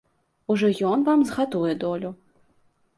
Ужо ён вам згатуе долю!